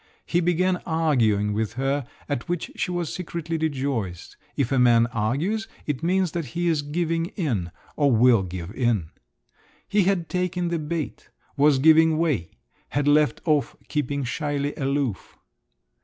He began arguing with her, at which she was secretly rejoiced; if a man argues, it means that he is giving in or will give in. He had taken the bait, was giving way, had left off keeping shyly aloof!